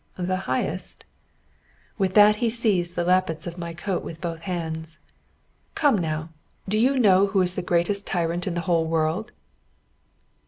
"The highest?" With that he seized the lappets of my coat with both hands. "Come, now! Do you know who is the greatest tyrant in the whole world?"